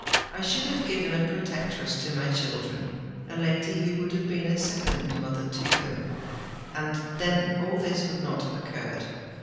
"I should have given a protectress to my children—a lady who would have been a second mother to them; and then all this would not have occurred!